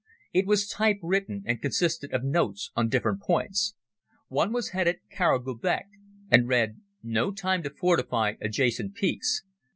It was typewritten, and consisted of notes on different points. One was headed "Kara Gubek" and read: "_No time to fortify adjacent peaks.